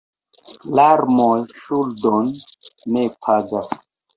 Larmoj ŝuldon ne pagas.